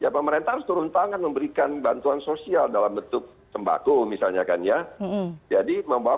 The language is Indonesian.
pemerintah harus turun tangan memberikan bantuan sosial dalam bentuk sembako misalnya kan ya jadi membawa